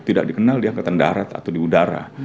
tidak dikenal di angkatan darat atau di udara